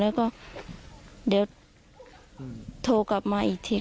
แล้วก็เดี๋ยวโทรกลับมาอีกที